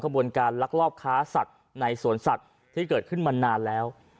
บนการลักลอบค้าสัตว์ในสวนสัตว์ที่เกิดขึ้นมานานแล้ว